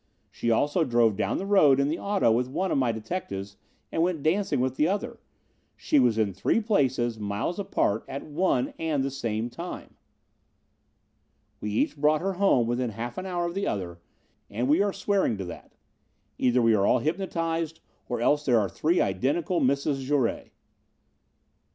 She also drove down the road in the auto with one of my detectives, and she went dancing with the other. She was in three places miles apart at one and the same time. "We each brought her home within a half hour of the other and we are swearing to that. Either we are all hypnotized or else there are three identical Misses Jouret.